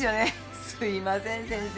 すいません先生